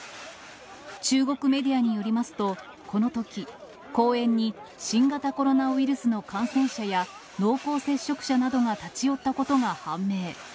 中国メディアによりますと、このとき、公園に、新型コロナウイルスの感染者や濃厚接触者などが立ち寄ったことが判明。